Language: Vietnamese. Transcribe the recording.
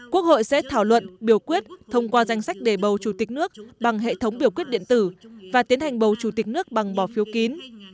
quốc hội sẽ thảo luận biểu quyết thông qua danh sách để bầu chủ tịch nước bằng hệ thống biểu quyết điện tử và tiến hành bầu chủ tịch nước bằng bỏ phiếu kín